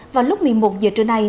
vào lúc một mươi một h trưa nay